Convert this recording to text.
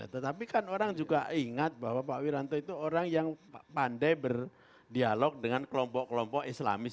tetapi kan orang juga ingat bahwa pak wiranto itu orang yang pandai berdialog dengan kelompok kelompok islamis